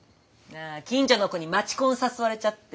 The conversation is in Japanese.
あぁ近所の子に街コン誘われちゃって。